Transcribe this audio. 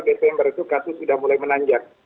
desember itu kasus sudah mulai menanjak